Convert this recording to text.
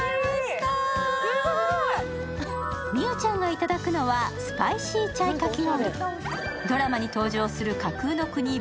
美羽ちゃんがいただくのはスパイシーチャイかき氷。